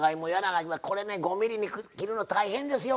これね５ｍｍに切るの大変ですよ。